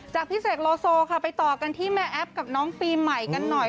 พี่เสกโลโซค่ะไปต่อกันที่แม่แอฟกับน้องปีใหม่กันหน่อย